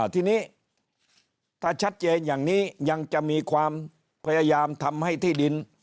ทีนี้ถ้าชัดเจนอย่างนี้ยังจะมีความพยายามทำให้ที่ดิน